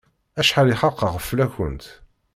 Acḥal i xaqeɣ fell-akent!